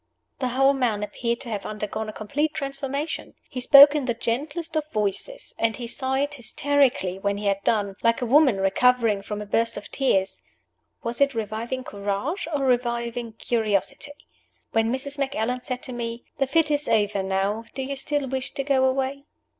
The whole man appeared to have undergone a complete transformation. He spoke in the gentlest of voices, and he sighed hysterically when he had done, like a woman recovering from a burst of tears. Was it reviving courage or reviving curiosity? When Mrs. Macallan said to me, "The fit is over now; do you still wish to go away?"